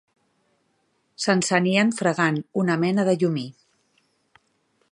S'encenien fregant una mena de llumí